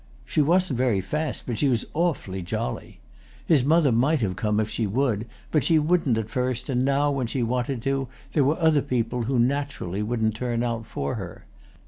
She wasn't very fast, but she was awfully jolly. His mother might have come if she would, but she wouldn't at first, and now, when she wanted to, there were other people, who naturally wouldn't turn out for her.